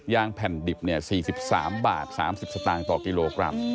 งแผ่นดิบ๔๓บาท๓๐สตางค์ต่อกิโลกรัม